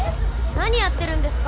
何やってるんですか？